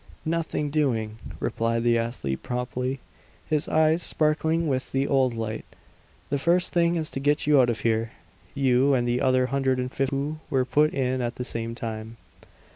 "Nothing doing," replied the athlete promptly, his eyes sparkling with the old light. "The first thing is to get you out of here; you, and the other hundred and fifty who were put in at the same time."